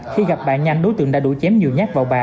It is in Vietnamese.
khi gặp bà nhanh đối tượng đã đủ chém nhiều nhát vào bà